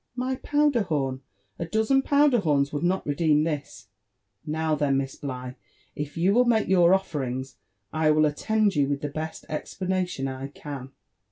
" My powder horn !— a dozen pow der horns would not redeem thisl Now then, Miss Bligh, if you will make your offerings, I will attend you with the best explaoation I can."